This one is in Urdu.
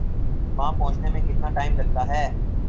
وہاں پہنچنے میں کتنا ٹائم لگتا ہے؟